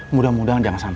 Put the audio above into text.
mudah mudahan jangan sampe